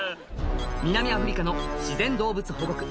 南アフリカの自然動物保護区